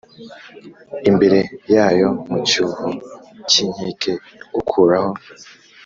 imbere yayo mu cyuho cy inkike Gukuraho